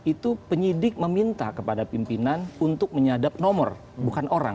itu penyidik meminta kepada pimpinan untuk menyadap nomor bukan orang